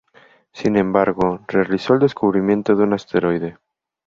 Sin embargo realizó el descubrimiento de un asteroide.